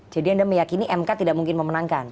jadi anda meyakini mk tidak mungkin memenangkan